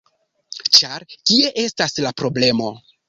ĉar kie estas la problemo.